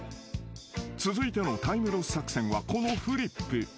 ［続いてのタイムロス作戦はこのフリップ］